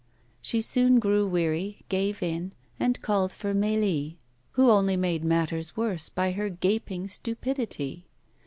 She soon grew weary, gave in, and called for Mélie, who only made matters worse by her gaping stupidity.